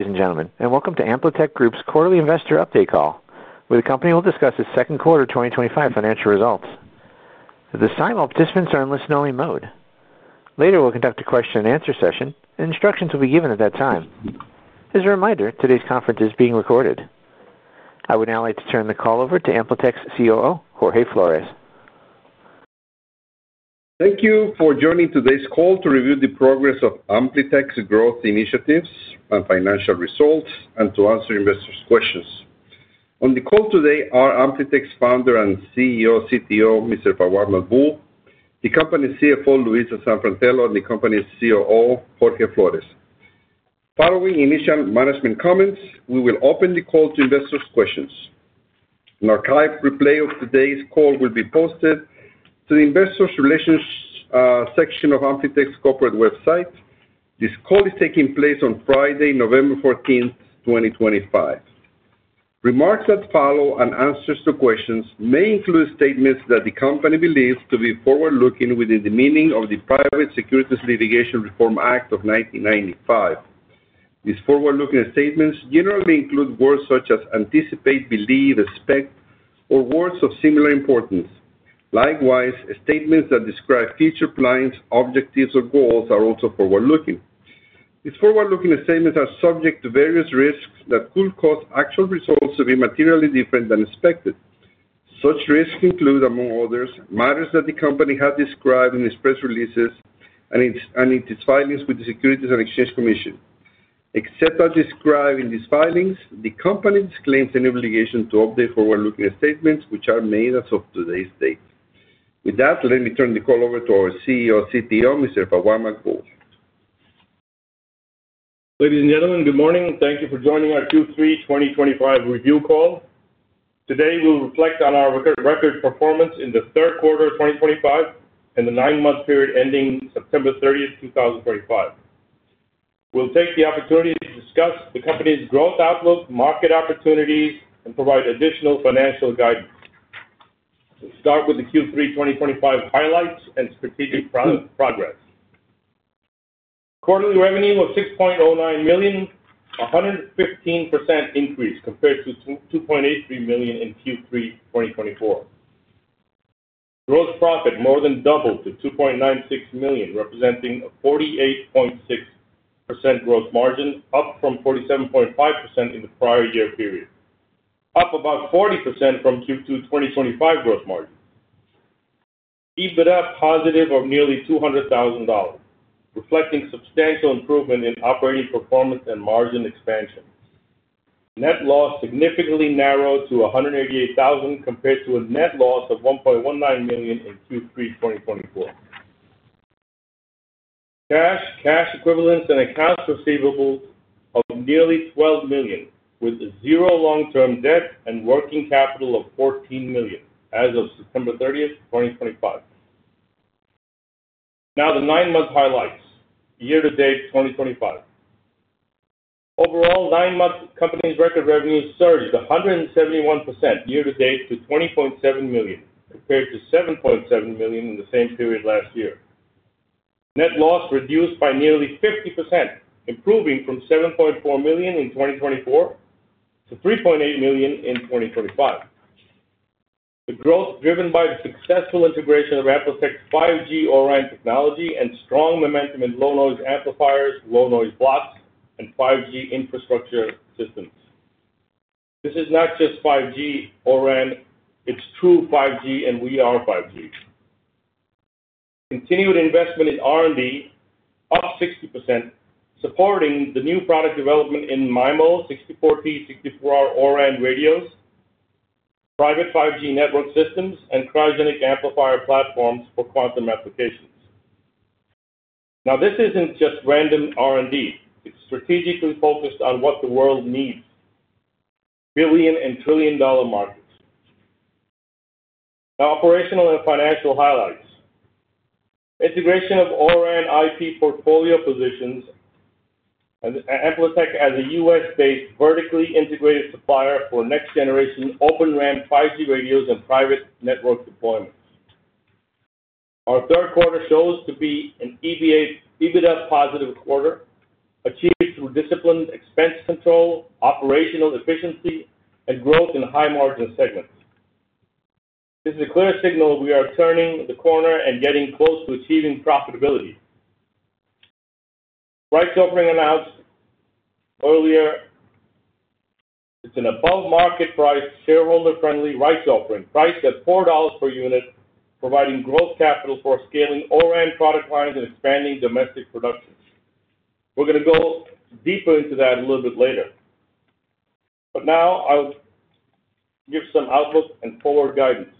Ladies and gentlemen, and welcome to AmpliTech Group's quarterly investor update call, where the company will discuss its second quarter 2025 financial results. At this time, all participants are in listen-only mode. Later, we will conduct a question-and-answer session, and instructions will be given at that time. As a reminder, today's conference is being recorded. I would now like to turn the call over to AmpliTech's COO, Jorge Flores. Thank you for joining today's call to review the progress of AmpliTech's growth initiatives and financial results and to answer investors' questions. On the call today are AmpliTech's Founder and CEO, CTO, Mr. Fawad Maqbool, the company's CFO, Louisa Sanfratello, and the company's COO, Jorge Flores. Following initial management comments, we will open the call to investors' questions. An archive replay of today's call will be posted to the Investors' Relations section of AmpliTech's corporate website. This call is taking place on Friday, November 14th, 2025. Remarks that follow and answers to questions may include statements that the company believes to be forward-looking within the meaning of the Private Securities Litigation Reform Act of 1995. These forward-looking statements generally include words such as anticipate, believe, expect, or words of similar importance. Likewise, statements that describe future plans, objectives, or goals are also forward-looking. These forward-looking statements are subject to various risks that could cause actual results to be materially different than expected. Such risks include, among others, matters that the company has described in its press releases and its filings with the Securities and Exchange Commission. Except as described in these filings, the company disclaims any obligation to update forward-looking statements, which are made as of today's date. With that, let me turn the call over to our CEO, CTO, Mr. Fawad Maqbool. Ladies and gentlemen, good morning. Thank you for joining our Q3 2025 review call. Today, we'll reflect on our record performance in the third quarter of 2025 and the nine-month period ending September 30th, 2025. We'll take the opportunity to discuss the company's growth outlook, market opportunities, and provide additional financial guidance. We'll start with the Q3 2025 highlights and strategic progress. Quarterly revenue was $6.09 million, a 115% increase compared to $2.83 million in Q3 2024. Gross profit more than doubled to $2.96 million, representing a 48.6% gross margin, up from 47.5% in the prior year period, up about 40% from Q2 2025 gross margin. EBITDA positive of nearly $200,000, reflecting substantial improvement in operating performance and margin expansion. Net loss significantly narrowed to $188,000 compared to a net loss of $1.19 million in Q3 2024. Cash, cash equivalents, and accounts receivable of nearly $12 million, with zero long-term debt and working capital of $14 million as of September 30th, 2025. Now, the nine-month highlights, year-to-date 2025. Overall, nine-month company's record revenue surged 171% year-to-date to $20.7 million compared to $7.7 million in the same period last year. Net loss reduced by nearly 50%, improving from $7.4 million in 2024 to $3.8 million in 2025. The growth driven by the successful integration of AmpliTech's 5G ORAN technology and strong momentum in low-noise amplifiers, low-noise blocks, and 5G infrastructure systems. This is not just 5G ORAN; it's true 5G, and we are 5G. Continued investment in R&D, up 60%, supporting the new product development in MIMO 64P64R ORAN radios, private 5G network systems, and cryogenic amplifier platforms for quantum applications. Now, this isn't just random R&D; it's strategically focused on what the world needs: billion and trillion dollar markets. Now, operational and financial highlights. Integration of ORAN IP portfolio positions AmpliTech as a U.S.-based vertically integrated supplier for next-generation open RAN 5G radios and private network deployments. Our third quarter shows to be an EBITDA positive quarter, achieved through disciplined expense control, operational efficiency, and growth in high-margin segments. This is a clear signal we are turning the corner and getting close to achieving profitability. Rights offering announced earlier. It's an above-market priced, shareholder-friendly rights offering priced at $4 per unit, providing growth capital for scaling ORAN product lines and expanding domestic production. We're going to go deeper into that a little bit later. Now, I'll give some outlook and forward guidance.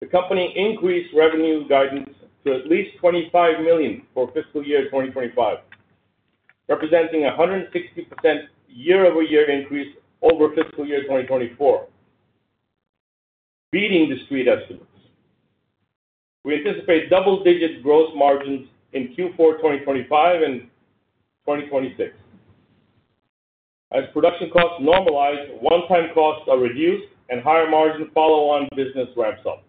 The company increased revenue guidance to at least $25 million for fiscal year 2025, representing a 160% year-over-year increase over fiscal year 2024, beating discrete estimates. We anticipate double-digit gross margins in Q4 2025 and 2026. As production costs normalize, one-time costs are reduced, and higher margin follow-on business ramps up.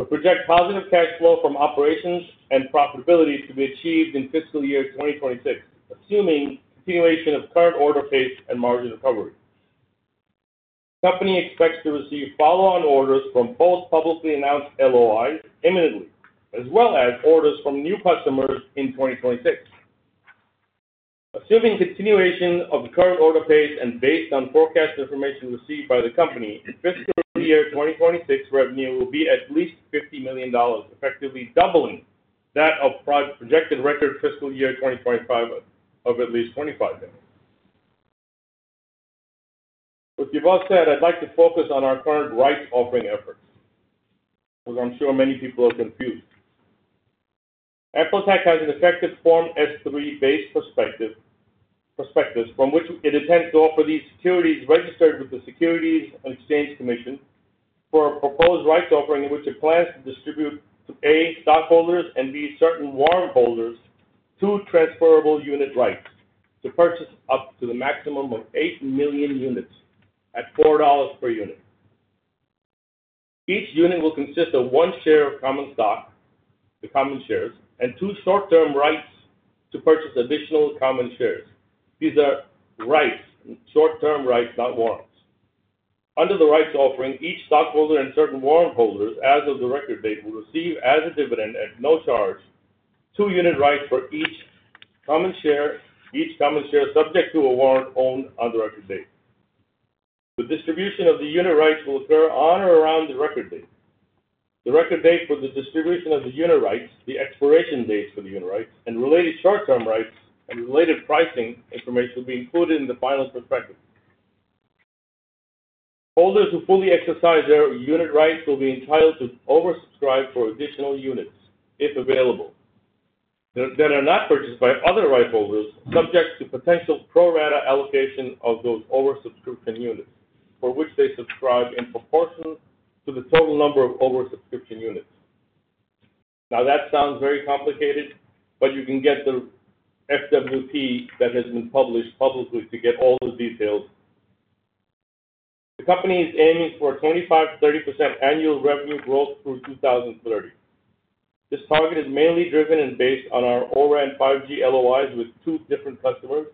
We project positive cash flow from operations and profitability to be achieved in fiscal year 2026, assuming continuation of current order pace and margin recovery. The company expects to receive follow-on orders from both publicly announced LOIs imminently, as well as orders from new customers in 2026. Assuming continuation of the current order pace and based on forecast information received by the company, fiscal year 2026 revenue will be at least $50 million, effectively doubling that of projected record fiscal year 2025 of at least $25 million. With the above said, I'd like to focus on our current rights offering efforts, because I'm sure many people are confused. AmpliTech has an effective Form S-3 based prospectus from which it attempts to offer these securities registered with the Securities and Exchange Commission for a proposed rights offering in which it plans to distribute to A, stockholders, and B, certain warrant holders, two transferable unit rights to purchase up to the maximum of 8 million units at $4 per unit. Each unit will consist of one share of common stock, the common shares, and two short-term rights to purchase additional common shares. These are rights, short-term rights, not warrants. Under the rights offering, each stockholder and certain warrant holders, as of the record date, will receive as a dividend at no charge two unit rights for each common share, each common share subject to a warrant owned on the record date. The distribution of the unit rights will occur on or around the record date. The record date for the distribution of the unit rights, the expiration dates for the unit rights, and related short-term rights and related pricing information will be included in the final prospectus. Holders who fully exercise their unit rights will be entitled to oversubscribe for additional units, if available, that are not purchased by other rights holders, subject to potential pro-rata allocation of those oversubscription units for which they subscribe in proportion to the total number of oversubscription units. Now, that sounds very complicated, but you can get the FWP that has been published publicly to get all the details. The company is aiming for a 25%-30% annual revenue growth through 2030. This target is mainly driven and based on our ORAN 5G LOIs with two different customers.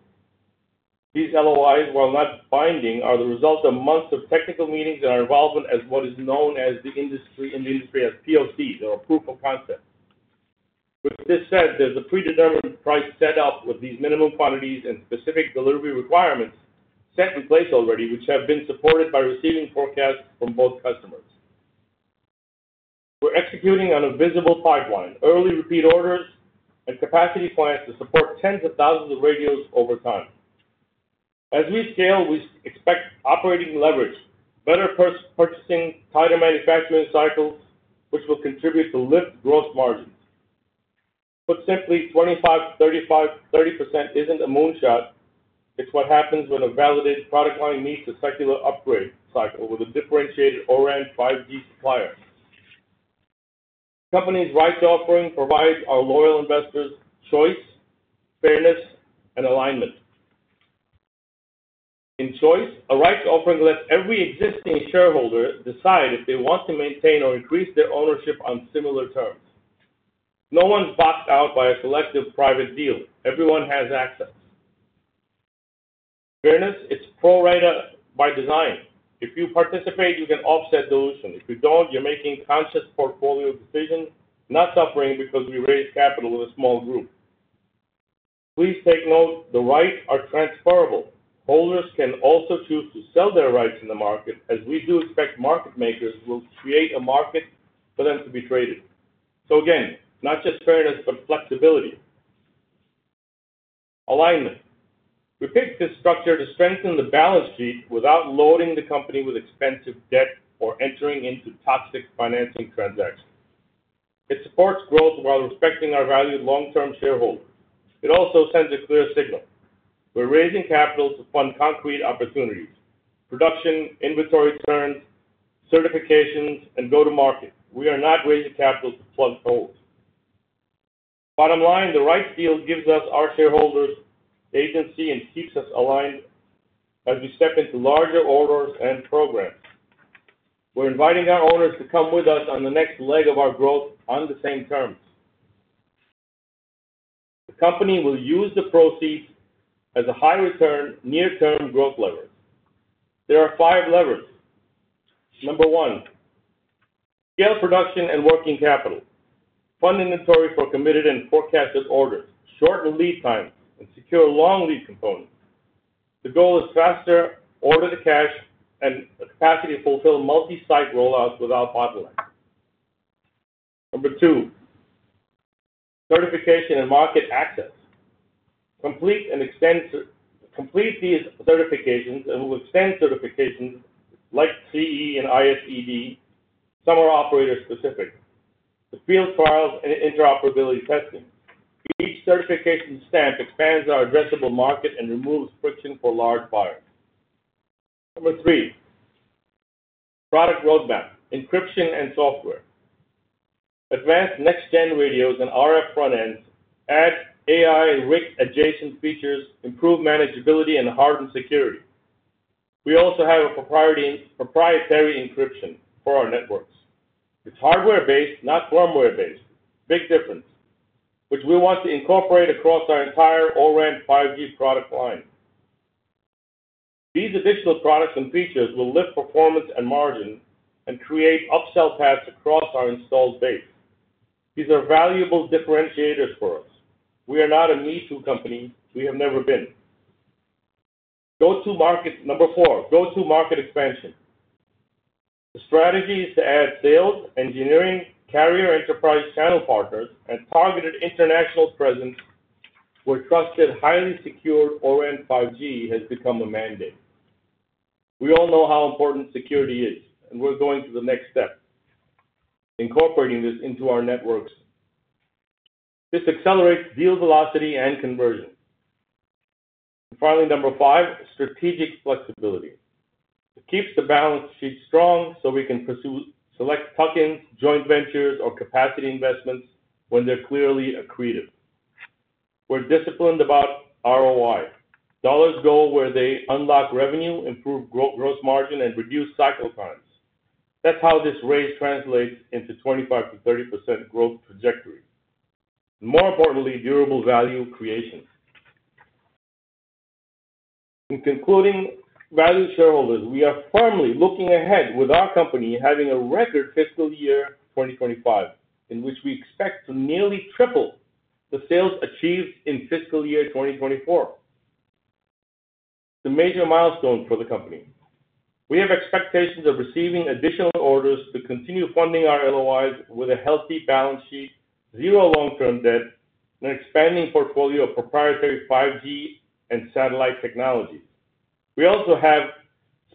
These LOIs, while not binding, are the result of months of technical meetings and our involvement as what is known in the industry as POCs, or proof of concept. With this said, there's a predetermined price set up with these minimum quantities and specific delivery requirements set in place already, which have been supported by receiving forecasts from both customers. We're executing on a visible pipeline, early repeat orders, and capacity plans to support tens of thousands of radios over time. As we scale, we expect operating leverage, better purchasing, tighter manufacturing cycles, which will contribute to lift gross margins. Put simply, 25-30% isn't a moonshot. It's what happens when a validated product line meets a secular upgrade cycle with a differentiated ORAN 5G supplier. The company's rights offering provides our loyal investors choice, fairness, and alignment. In choice, a rights offering lets every existing shareholder decide if they want to maintain or increase their ownership on similar terms. No one's boxed out by a selective private deal. Everyone has access. Fairness, it's pro-rata by design. If you participate, you can offset dilution. If you don't, you're making conscious portfolio decisions, not suffering because we raised capital with a small group. Please take note, the rights are transferable. Holders can also choose to sell their rights in the market, as we do expect market makers will create a market for them to be traded. Again, not just fairness, but flexibility. Alignment. We picked this structure to strengthen the balance sheet without loading the company with expensive debt or entering into toxic financing transactions. It supports growth while respecting our valued long-term shareholders. It also sends a clear signal. We're raising capital to fund concrete opportunities: production, inventory turns, certifications, and go-to-market. We are not raising capital to plug holes. Bottom line, the rights deal gives us our shareholders' agency and keeps us aligned as we step into larger orders and programs. We're inviting our owners to come with us on the next leg of our growth on the same terms. The company will use the proceeds as a high-return, near-term growth lever. There are five levers. Number one, scale production and working capital. Fund inventory for committed and forecasted orders. Shorten lead times and secure long lead components. The goal is faster, order to cash, and capacity to fulfill multi-site rollouts without bottlenecks. Number two, certification and market access. Complete and extend, complete these certifications and will extend certifications like CE and ISED, some are operator-specific. The field trials and interoperability testing. Each certification stamp expands our addressable market and removes friction for large buyers. Number three, product roadmap. Encryption and software. Advanced next-gen radios and RF front-ends add AI RIC adjacent features, improve manageability, and harden security. We also have a proprietary encryption for our networks. It's hardware-based, not firmware-based. Big difference, which we want to incorporate across our entire ORAN 5G product line. These additional products and features will lift performance and margin and create upsell paths across our installed base. These are valuable differentiators for us. We are not a me-too company. We have never been. Number four, go-to-market expansion. The strategy is to add sales, engineering, carrier enterprise channel partners, and targeted international presence where trusted, highly secured ORAN 5G has become a mandate. We all know how important security is, and we are going to the next step, incorporating this into our networks. This accelerates deal velocity and conversion. Number five, strategic flexibility. It keeps the balance sheet strong so we can pursue select tuck-ins, joint ventures, or capacity investments when they are clearly accretive. We are disciplined about ROI. Dollars go where they unlock revenue, improve gross margin, and reduce cycle times. That is how this raise translates into 25%-30% growth trajectory. More importantly, durable value creation. In concluding, valued shareholders, we are firmly looking ahead with our company having a record fiscal year 2025, in which we expect to nearly triple the sales achieved in fiscal year 2024. It's a major milestone for the company. We have expectations of receiving additional orders to continue funding our LOIs with a healthy balance sheet, zero long-term debt, and an expanding portfolio of proprietary 5G and satellite technologies. We also have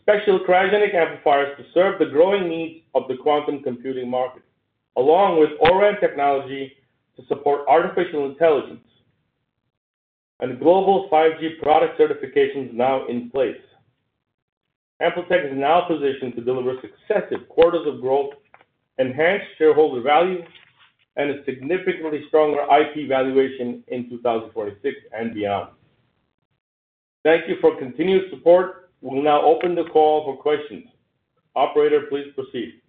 special cryogenic amplifiers to serve the growing needs of the quantum computing market, along with ORAN technology to support artificial intelligence and global 5G product certifications now in place. AmpliTech is now positioned to deliver successive quarters of growth, enhanced shareholder value, and a significantly stronger IP valuation in 2026 and beyond. Thank you for continued support. We'll now open the call for questions. Operator, please proceed.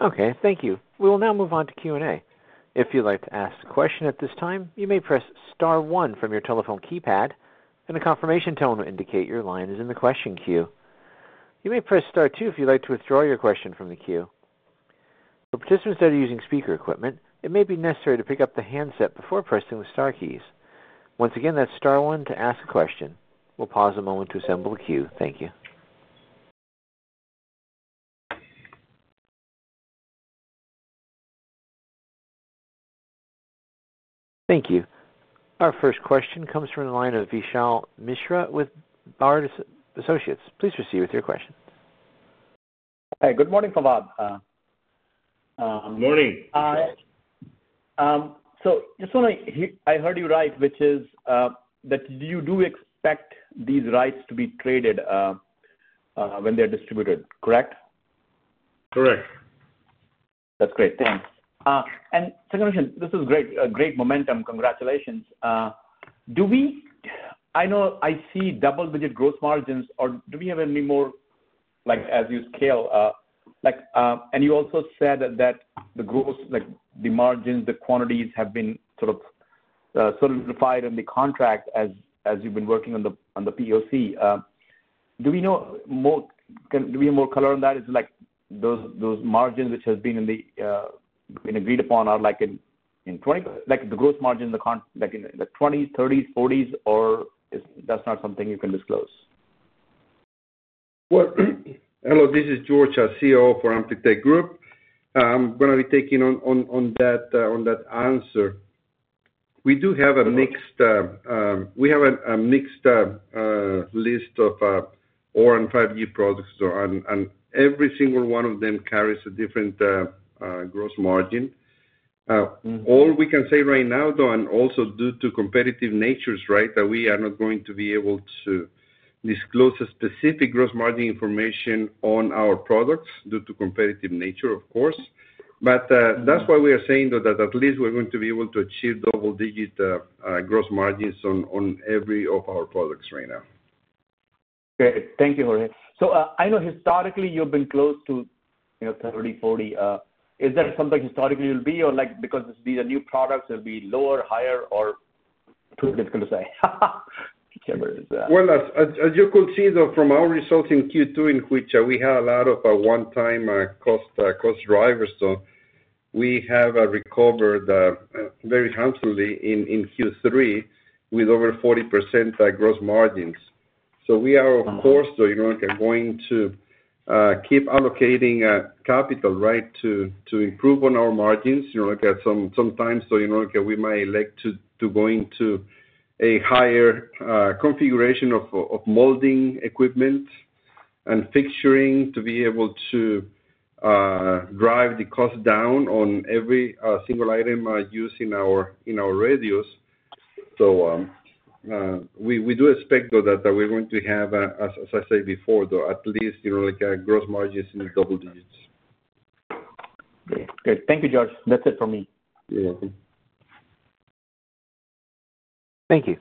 Okay, thank you. We will now move on to Q&A. If you'd like to ask a question at this time, you may press Star one from your telephone keypad, and a confirmation tone will indicate your line is in the question queue. You may press Star two if you'd like to withdraw your question from the queue. For participants that are using speaker equipment, it may be necessary to pick up the handset before pressing the Star keys. Once again, that's Star one to ask a question. We'll pause a moment to assemble the queue. Thank you. Thank you. Our first question comes from the line of Vishal Mishra with Bard Associates. Please proceed with your question. Hi, good morning Fawad. Good morning. Just want to hear I heard you right, which is that you do expect these rights to be traded when they're distributed, correct? Correct. That's great. Thanks. Second question, this is great momentum. Congratulations. Do we, I know I see double-digit gross margins. Do we have any more as you scale? You also said that the gross, the margins, the quantities have been sort of solidified in the contract as you've been working on the POC. Do we know more, do we have more color on that? Is it like those margins which have been agreed upon are like in the gross margin in the 20s, 30s, 40s, or that's not something you can disclose? Hello, this is Jorge, COO for AmpliTech Group. I'm going to be taking on that answer. We do have a mixed, we have a mixed list of ORAN 5G products, and every single one of them carries a different gross margin. All we can say right now, though, and also due to competitive nature, right, that we are not going to be able to disclose specific gross margin information on our products due to competitive nature, of course. That is why we are saying that at least we're going to be able to achieve double-digit gross margins on every of our products right now. Okay, thank you. I know historically you've been close to 30-40%. Is that something historically will be, or because these are new products, it'll be lower, higher, or too difficult to say? As you could see, though, from our resulting Q2, in which we had a lot of one-time cost drivers, we have recovered very handsomely in Q3 with over 40% gross margins. We are, of course, going to keep allocating capital, right, to improve on our margins. Sometimes, we might elect to go into a higher configuration of molding equipment and fixturing to be able to drive the cost down on every single item used in our radios. We do expect, though, that we're going to have, as I said before, at least gross margins in the double digits. Okay, thank you, Jorge. That's it for me. Thank you.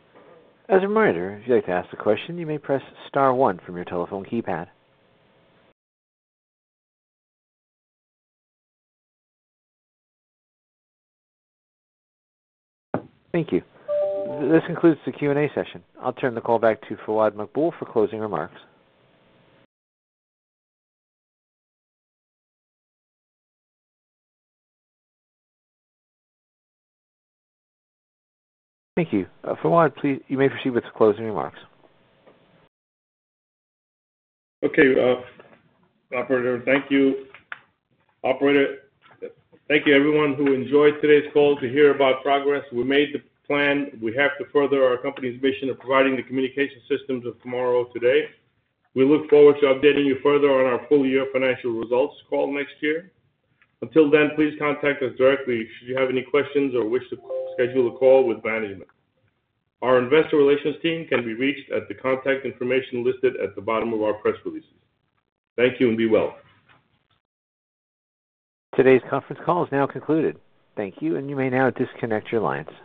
As a reminder, if you'd like to ask a question, you may press Star one from your telephone keypad. Thank you. This concludes the Q&A session. I'll turn the call back to Fawad Maqbool for closing remarks. Thank you. Fawad, please, you may proceed with the closing remarks. Okay, Operator, thank you. Operator, thank you, everyone who enjoyed today's call to hear about progress. We made the plan. We have to further our company's mission of providing the communication systems of tomorrow today. We look forward to updating you further on our full-year financial results call next year. Until then, please contact us directly should you have any questions or wish to schedule a call with management. Our investor relations team can be reached at the contact information listed at the bottom of our press releases. Thank you and be well. Today's conference call is now concluded. Thank you, and you may now disconnect your lines.